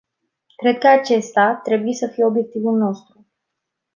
Cred că acesta trebuie să fie obiectivul nostru.